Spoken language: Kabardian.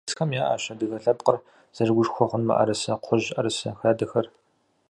Мы къуажэм дэсхэм яӏэщ адыгэ лъэпкъыр зэрыгушхуэ хъун мыӏэрысэ, кхъужь ӏэрысэ хадэхэр.